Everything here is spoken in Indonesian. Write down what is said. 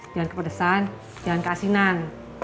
jangan kepedesan jangan keasinan